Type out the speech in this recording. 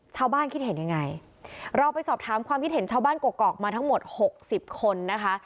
คิดเห็นยังไงเราไปสอบถามความคิดเห็นชาวบ้านกรอกมาทั้งหมดหกสิบคนนะคะ